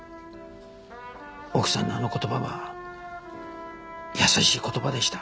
奥さんのあの言葉は優しい言葉でした。